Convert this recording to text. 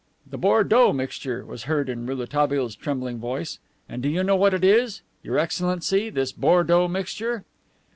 "The Bordeaux mixture," was heard in Rouletabille's trembling voice "And do you know what it is, Your Excellency, this Bordeaux mixture?"